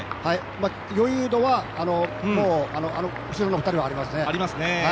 余裕度はもう、後ろの２人よりはありますね。